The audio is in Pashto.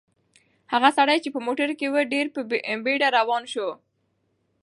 هغه سړی چې په موټر کې و ډېر په بیړه روان شو.